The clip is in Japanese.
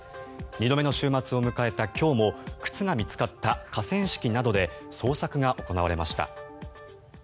２度目の週末を迎えた今日も靴が見つかった河川敷などで捜索が行われました。